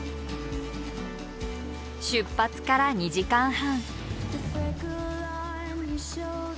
出発から２時間半。